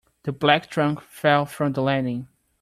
The black trunk fell from the landing.